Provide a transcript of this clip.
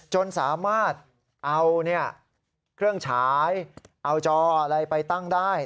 จนสามารถเอาเครื่องฉายเอาจออะไรไปตั้งได้